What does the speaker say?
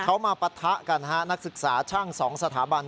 เขามาปะทะกันฮะนักศึกษาช่าง๒สถาบัน